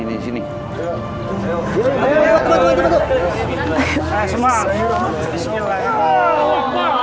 udah sebentar pak ustadz ya